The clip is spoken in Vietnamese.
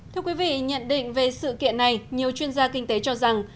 thưa quý vị nhận định về sự kiện này nhiều chuyên gia kinh tế cho rằng